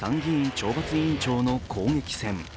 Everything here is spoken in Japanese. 懲罰委員長の“口撃戦”。